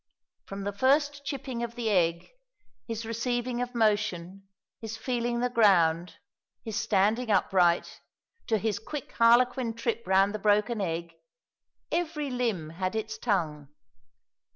From the first chipping of the egg, his receiving of motion, his feeling the ground, his standing upright, to his quick harlequin trip round the broken egg, every limb had its tongue.